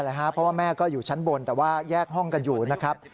เพราะว่าแม่ก็อยู่ชั้นบนแต่ว่าแยกห้องกันอยู่นะครับ